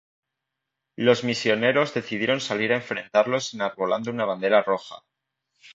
Los misioneros decidieron salir a enfrentarlos enarbolando una bandera roja.